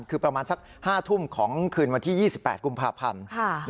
คือประมาณสัก๕ทุ่มของคืนวันที่๒๘กุมภาพันธ์